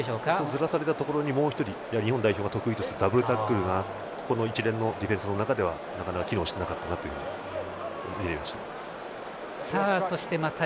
ずらされたところでもう１人、日本代表が得意とするダブルタックルがこの一連のディフェンスの中ではなかなか機能していなかったように見られました。